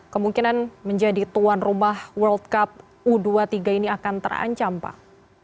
kemungkinan menjadi tuan rumah world cup u dua puluh tiga ini akan terancam pak